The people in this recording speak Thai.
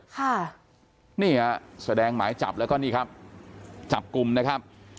ค่ะนี่ฮะแสดงหมายจับแล้วก็นี่ครับจับกลุ่มนะครับ